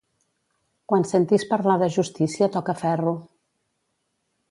Quan sentis parlar de justícia toca ferro.